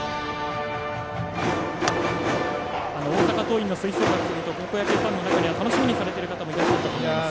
大阪桐蔭の吹奏楽というと高校野球ファンの中には楽しみにされている方もいらっしゃったと思います。